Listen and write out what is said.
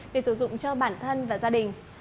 để sử dụng cho bản thân và gia đình